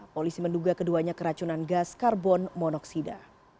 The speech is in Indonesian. polisi menduga keduanya keracunan gas karbon monoksida